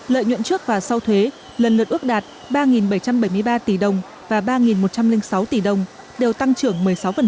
lợi nhuận trước và sau thuế lần lượt ước đạt ba bảy trăm bảy mươi ba tỷ đồng và ba một trăm linh sáu tỷ đồng đều tăng trưởng một mươi sáu